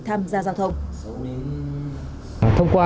tham gia giao thông